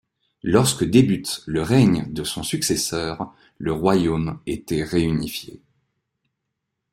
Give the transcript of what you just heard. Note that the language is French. Lorsque débute le règne de son successeur le royaume était réunifié.